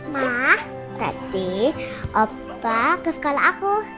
ma tadi opa ke sekolah aku